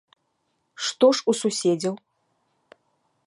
Што ж у суседзяў?